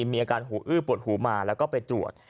มีอาการหูอื้อปวดหูมาแล้วก็ไปตรวจ